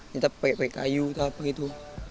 kita pakai kayu atau apa gitu